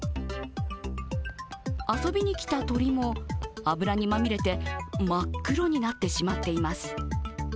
遊びに来た鳥も、油にまみれて真っ黒になってしまっています。